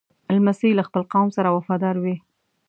لمسی له خپل قوم سره وفادار وي.